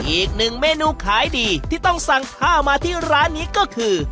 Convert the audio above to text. อีกหนึ่งเมนูขายดีที่ต้องสั่งข้าวมาที่ร้านนี้ก็คือ